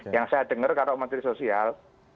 yang saya dengar kalau menteri sosial